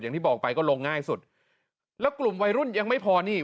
อย่างที่บอกไปก็ลงง่ายสุดแล้วกลุ่มวัยรุ่นยังไม่พอนี่